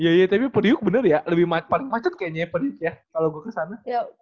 iya iya tapi periuk bener ya lebih macet kayaknya periuk ya kalo gue kesana